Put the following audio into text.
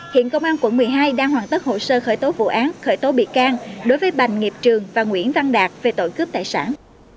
hiện công an quận một mươi hai đang hoàn tất hồ sơ khởi tố vụ án khởi tố bị can đối với bành nghiệp trường và nguyễn văn đạt về tội cướp tài sản